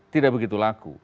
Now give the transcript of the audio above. tidak begitu laku